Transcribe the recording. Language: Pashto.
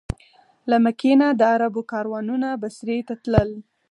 له مکې نه د عربو کاروانونه بصرې ته تلل.